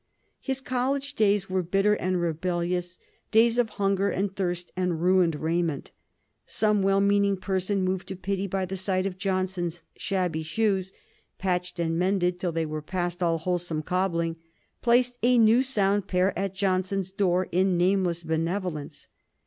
His college days were bitter and rebellious; days of hunger and thirst and ruined raiment. Some well meaning person, moved to pity by the sight of Johnson's shabby shoes, patched and mended till they were past all wholesome cobbling, placed a new sound pair at Johnson's door in nameless benevolence.